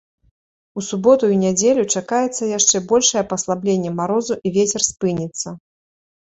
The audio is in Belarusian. У суботу і нядзелю чакаецца яшчэ большае паслабленне марозу і вецер спыніцца.